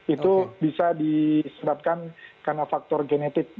itu bisa disebabkan karena faktor genetik